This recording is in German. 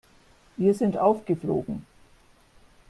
Wir sind aufgeflogen.